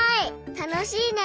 たのしいね！